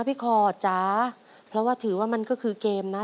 เพราะว่าถือว่ามันก็คือเกมนะ